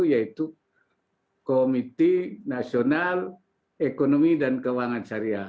yaitu komite nasional ekonomi dan keuangan syariah